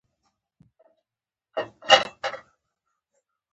په افغانستان کې د وحشي حیواناتو تاریخ اوږد دی.